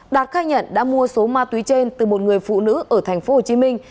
đạt khai nhận đã mua số ma túy trên từ một người phụ nữ ở tp hồ chí minh